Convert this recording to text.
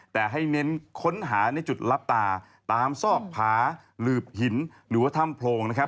แต่ให้เน้นค้นหาในจุดลับตาตามซอกผาหลืบหินหรือว่าถ้ำโพรงนะครับ